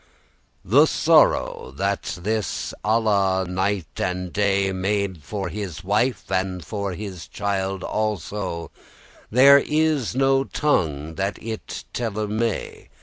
The sorrow that this Alla night and day Made for his wife, and for his child also, There is no tongue that it telle may.